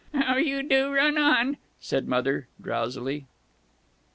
"How you do run on!" said Mother, drowsily.